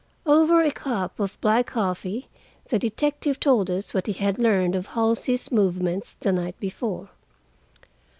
Over a cup of black coffee the detective told us what he had learned of Halsey's movements the night before.